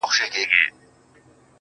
و تاته چا زما غلط تعريف کړی و خدايه~